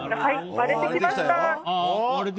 割れてきました。